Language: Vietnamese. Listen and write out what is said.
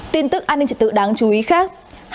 tin tức an ninh trật tự đáng chú ý khác